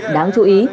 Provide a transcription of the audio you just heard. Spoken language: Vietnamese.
đáng chú ý